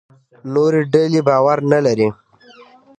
نورې ډلې باور نه لري.